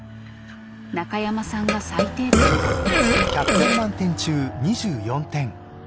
中山さんが最低点だった。